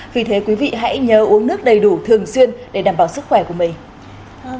vì thế quý vị hãy nhớ uống nước đầy đủ thường xuyên để đảm bảo sức khỏe của mình